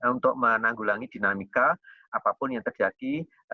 untuk menanggulangi dinamika apapun yang terjadi